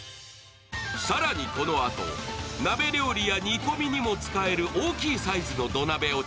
さらにこのあと、鍋料理や煮込みにも使える大きいサイズの土鍋を